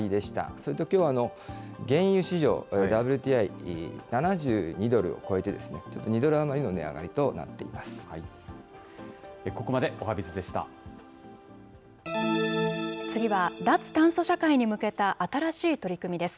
それときょう、原油市場、ＷＴＩ、７２ドルを超えて、２ドル余りの値上がりとなっています。